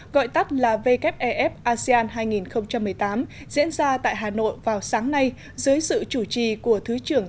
gọi tắt là wef asean hai nghìn một mươi tám diễn ra tại hà nội vào sáng nay dưới sự chủ trì của thứ trưởng